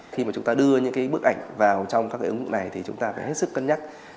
khi mà chúng ta đưa những cái bức ảnh vào trong các cái ứng dụng này thì chúng ta phải hết sức cân nhắc